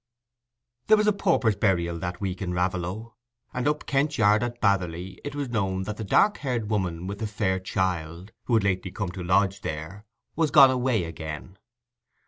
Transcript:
There was a pauper's burial that week in Raveloe, and up Kench Yard at Batherley it was known that the dark haired woman with the fair child, who had lately come to lodge there, was gone away again.